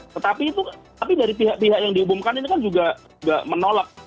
tetapi dari pihak pihak yang diumumkan ini kan juga nggak menolak